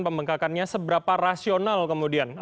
pembangkakannya seberapa rasional kalau kita lihat